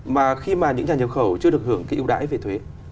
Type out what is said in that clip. mà khi mà những nhà nhập khẩu chưa được hưởng cái ưu đãi về thuế